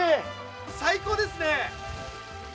最高ですね。